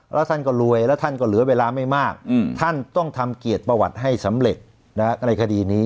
แล้วท่านก็รวยแล้วท่านก็เหลือเวลาไม่มากท่านต้องทำเกียรติประวัติให้สำเร็จในคดีนี้